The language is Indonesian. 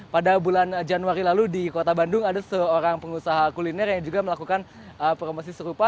pada bulan januari lalu di kota bandung ada seorang pengusaha kuliner yang juga melakukan promosi serupa